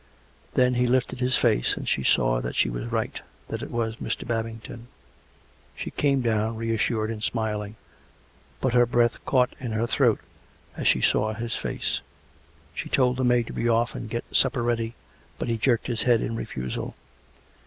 Then he lifted his face, and she saw that she was right: and that it was Mr. Babington. She came down, reassured and smiling; but her breath caught in her throat as she saw his face. ... She told the maid to be off and get supper ready, but he jerked his head in refusal.